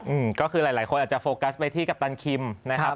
อืมก็คือหลายหลายคนอาจจะโฟกัสไปที่กัปตันคิมนะครับ